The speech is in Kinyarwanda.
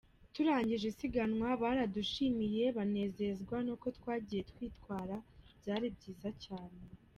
Turangije isiganwa baradushimiye banezezwa n’uko twagiye twitwara, byari byiza cyane.